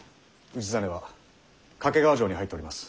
氏真は懸川城に入っております。